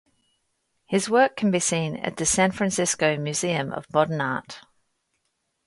His work can be seen at the San Francisco Museum of Modern Art.